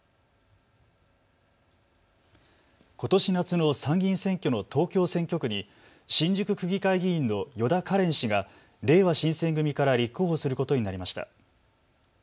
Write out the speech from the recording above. ことし夏の参議院選挙の東京選挙区に新宿区議会議員のよだかれん氏がれいわ新選組から立候補することになりました。